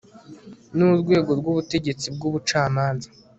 ni urwego rw'ubutegetsi bw'ubucamanza